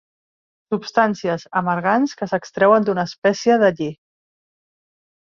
Substàncies amargants que s'extreuen d'una espècie de lli.